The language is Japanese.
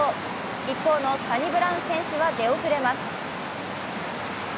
一方のサニブラウン選手は出遅れます。